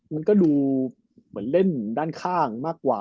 มันก็ดูเหมือนเล่นด้านข้างมากกว่า